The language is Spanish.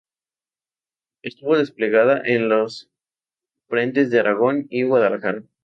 Estuvo desplegada en los frentes de Aragón y Guadalajara.